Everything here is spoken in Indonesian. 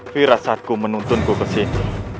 firas saatku menuntunku kesini